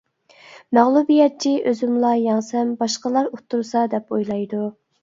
مەغلۇبىيەتچى ئۆزۈملا يەڭسەم باشقىلار ئۇتتۇرسا دەپ ئويلايدۇ.